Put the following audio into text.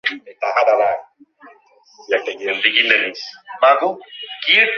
আমি এটা ছোটবেলায় রোপণ করেছি, আর এখন এটা বাড়ছে।